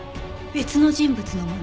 別の人物のもの？